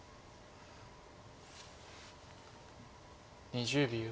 ２０秒。